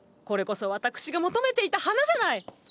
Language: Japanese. これこそ私が求めていた花じゃない。